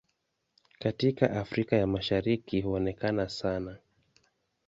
Katika Afrika ya Mashariki huonekana sana.